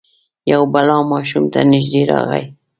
یو بلا ماشوم ته نژدې راغی.